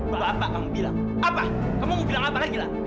kalau apa kamu bilang apa kamu mau bilang apa lagi lah